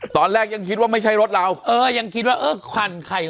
ตอนแรกยังคิดว่าไม่ใช่รถเราเออยังคิดว่าเออควันใครเหรอ